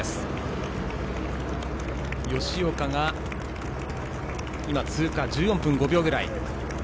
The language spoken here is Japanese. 吉岡が通過、１４分５秒ぐらい。